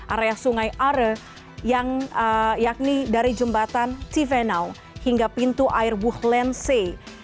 area sungai are yang yakni dari jembatan civenau hingga pintu air buhlense